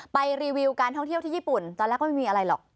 รีวิวการท่องเที่ยวที่ญี่ปุ่นตอนแรกก็ไม่มีอะไรหรอก